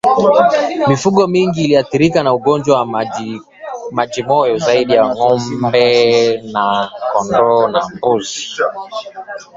Mifugo mingine inayoathirika na ugonjwa wa majimoyo zaidi ya ngombe ni kondoo na mbuzi